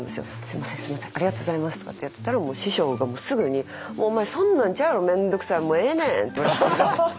「すみませんすみませんありがとうございます」とかってやってたらもう師匠がすぐに「お前そんなんちゃうやろ面倒くさいもうええねん！」って言われまして。